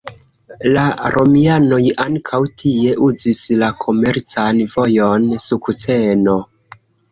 La romianoj ankaŭ tie uzis la komercan vojon "Sukceno".